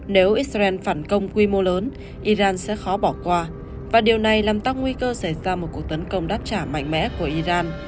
nếu israel phản công quy mô lớn iran sẽ khó bỏ qua và điều này làm tăng nguy cơ xảy ra một cuộc tấn công đáp trả mạnh mẽ của iran